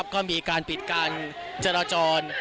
ก็มีการปิดการจราจร